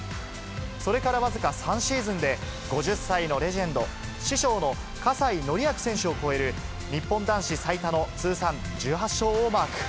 それからわずか３シーズンで、５０歳のレジェンド、師匠の葛西紀明選手を超える、日本男子最多の通算１８勝をマーク。